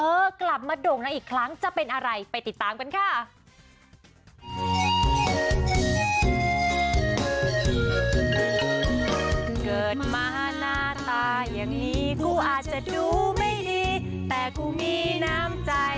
กลับมาโด่งดังอีกครั้งจะเป็นอะไรไปติดตามกันค่ะ